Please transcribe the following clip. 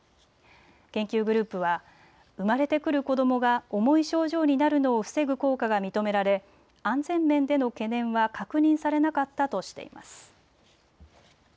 研究グループは生まれてくる子どもが重い症状になるのを防ぐ効果が認められ安全面での懸念は確認されなかったとしています。